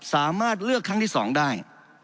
สามารถเลือกครั้งที่๒ได้